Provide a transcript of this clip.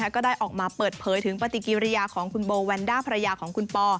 ก็ได้ออกมาเปิดเผยถึงปฏิกิริยาของคุณโบแวนด้าภรรยาของคุณปอ